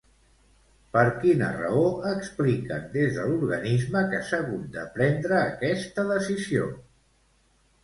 Per quina raó expliquen des de l'organisme que s'ha hagut de prendre aquesta decisió?